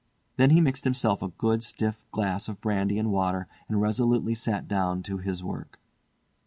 Then he mixed himself a good stiff glass of brandy and water and resolutely sat down to his work.